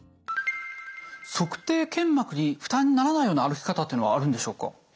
足底腱膜に負担にならないような歩き方っていうのはあるんでしょうか？